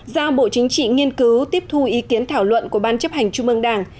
giao bộ chính trị nghiên cứu tiếp thu ý kiến thảo luận của ban chấp hành trung ương đảng